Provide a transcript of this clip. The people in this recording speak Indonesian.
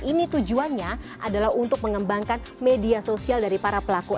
ini tujuannya adalah untuk mengembangkan media sosial dari para pelaku